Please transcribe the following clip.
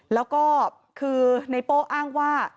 แล้วก็คือในโป้อ้างว่า